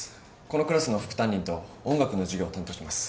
このクラスの副担任と音楽の授業を担当します。